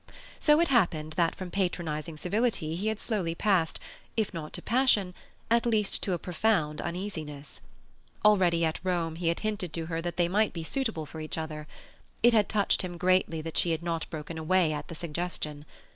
So it happened that from patronizing civility he had slowly passed if not to passion, at least to a profound uneasiness. Already at Rome he had hinted to her that they might be suitable for each other. It had touched him greatly that she had not broken away at the suggestion.